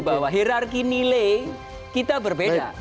bahwa hirarki nilai kita berbeda